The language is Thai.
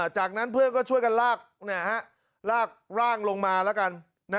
จากนั้นเพื่อนก็ช่วยกันลากลากร่างลงมาแล้วกัน